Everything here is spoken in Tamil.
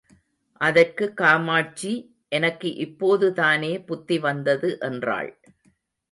அதற்கு காமாட்சி, எனக்கு இப்போதுதானே புத்தி வந்தது என்றாள்.